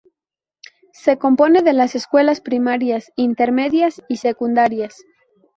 Se compone de las escuelas primarias, intermedias y secundarias.